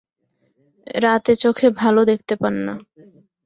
রাতে চোখে ভালো দেখতে পান না।